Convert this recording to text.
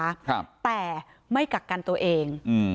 ครับแต่ไม่กักกันตัวเองอืม